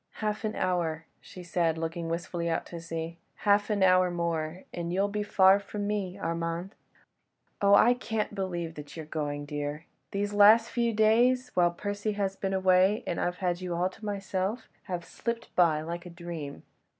"Half an hour," she said, looking wistfully out to sea, "half an hour more and you'll be far from me, Armand! Oh! I can't believe that you are going, dear! These last few days—whilst Percy has been away, and I've had you all to myself, have slipped by like a dream."